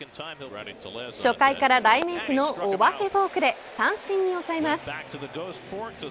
初回から代名詞のお化けフォークで三振に抑えます。